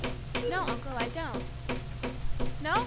"No, uncle, I don't." "No?